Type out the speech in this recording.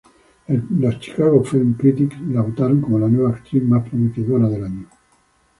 Los Chicago Film Critics la votaron como la nueva actriz más prometedora del año.